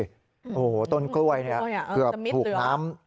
โอ้โหต้นกล้วยเนี่ยเกือบถูกน้ำ